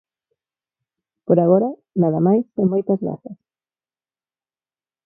Por agora, nada máis e moitas grazas.